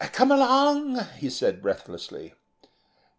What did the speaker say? "Come along," he said, breathlessly.